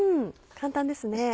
簡単ですね。